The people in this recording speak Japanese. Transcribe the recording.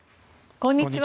こんにちは。